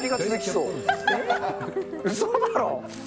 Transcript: うそだろ？